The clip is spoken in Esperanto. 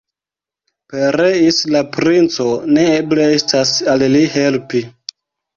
Pereis la princo, ne eble estas al li helpi.